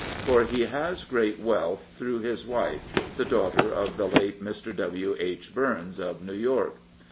For he has great wealth through his wife, the daughter of the late Mr. W. H. Burns, of New York.